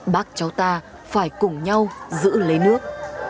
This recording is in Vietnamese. bác cháu ta phải cùng nhau giữ lấy nước